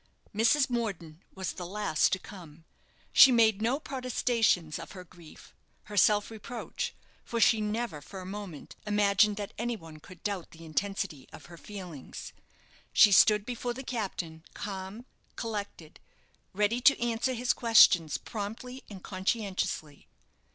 Mrs. Morden was the last to come. She made no protestations of her grief her self reproach for she never for a moment imagined that any one could doubt the intensity of her feelings. She stood before the captain, calm, collected, ready to answer his questions promptly and conscientiously.